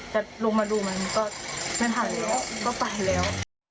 แต่ลงมาดูมันก็ไม่ทันแล้วก็ไปแล้ว